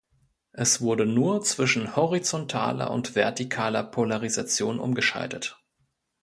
Es wurde nur zwischen horizontaler und vertikaler Polarisation umgeschaltet.